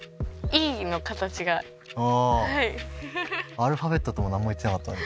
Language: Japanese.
アルファベットともなんも言ってなかったのに。